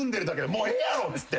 もうええやろっつって。